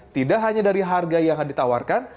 tidak hanya dari harga yang ditawarkan